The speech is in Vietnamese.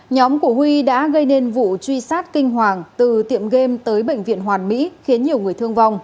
nhóm của huy đã gây nên vụ truy sát kinh hoàng từ tiệm game tới bệnh viện hoàn mỹ khiến nhiều người thương vong